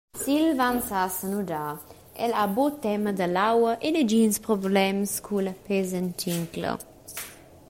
Silvan sa senudar, el ha buca tema dall’aua e negins problems culla pesentincla.